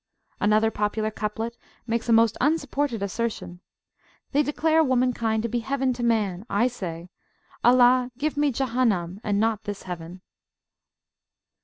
Another popular couplet makes a most unsupported assertion: They declare womankind to be heaven to man, I say, Allah, give me Jahannam, and not this heaven.